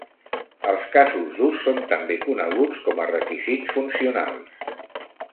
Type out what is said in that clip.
Els casos d'ús són també coneguts com a requisits funcionals.